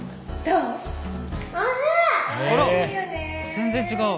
全然違う。